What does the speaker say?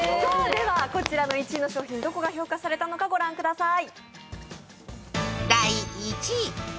ではこちらの１位の商品、どこが評価されたのか御覧ください。